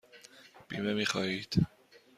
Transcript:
بیمه می خواهید؟